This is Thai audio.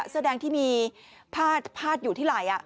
เสื้อแดงที่มีพาดอยู่ที่ไหล่